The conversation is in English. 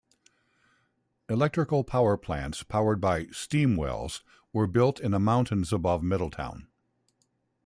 Electrical power plants powered by "steam wells" were built in the mountains above Middletown.